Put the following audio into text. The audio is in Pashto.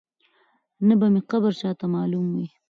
نه به مي قبر چاته معلوم وي